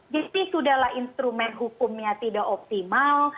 jadi sudah lah instrumen hukumnya tidak optimal